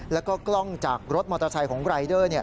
แล้วก็กล้องจากรถมอเตอร์ไซค์ของรายเดอร์